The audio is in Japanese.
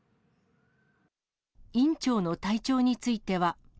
院長の体調については。